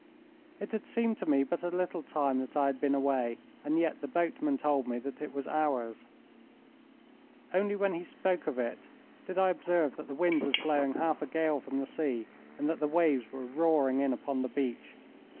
It had seemed to me but a little time that I had been away, and yet the boatman told me that it was hours. Only when he spoke of it did I observe that the wind was blowing half a gale from the sea and that the waves were roaring in upon the beach.